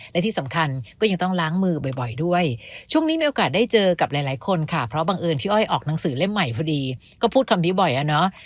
และที่สำคัญก็ยังต้องล้างมือบ่อยด้วยช่วงนี้มีโอกาสได้เจอกับหลายคนค่ะเพราะบังเอิญพี่อ้อยออกหนังสือเล่มใหม่พอดีก็พูดคำนี้บ่อยอะเนาะ